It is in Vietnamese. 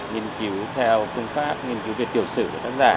nghiên cứu theo phương pháp nghiên cứu về tiểu sử của tác giả